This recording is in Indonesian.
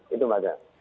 itu mbak kira